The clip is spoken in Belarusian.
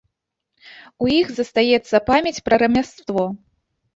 У іх застаецца памяць пра рамяство.